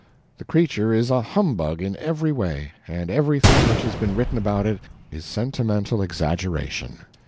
The creature is a humbug in every way, and everything which has been written about it is sentimental exaggeration.